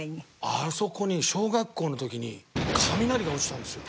あそこに小学校の時に雷が落ちたんですよ。